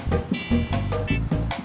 kalau rusak nggak usah diservis